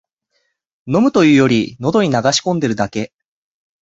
飲むというより、のどに流し込んでるだけ